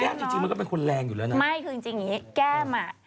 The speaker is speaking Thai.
แก้มจริงมันก็เป็นคนแรงอยู่แล้วนะฮะเนอะไม่คือจริงแก้มอ่ะ